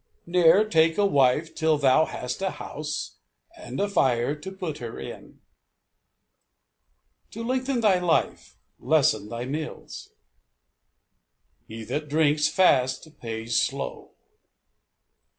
Ne'er take a wife till thou hast a house (and a fire) to put her in. To lengthen thy life, lessen thy meals. He that drinks fast pays slow.